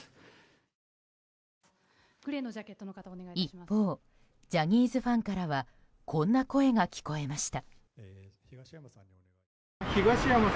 一方、ジャニーズファンからはこんな声が聞こえました。